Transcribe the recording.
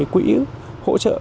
quỹ hỗ trợ